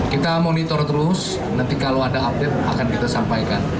kita monitor terus nanti kalau ada update akan kita sampaikan